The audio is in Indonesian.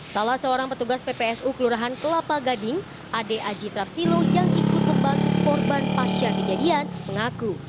salah seorang petugas ppsu kelurahan kelapa gading ade aji trapsilo yang ikut membantu korban pasca kejadian mengaku